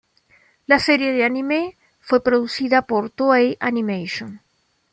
La serie de anime fue producida por Toei Animation.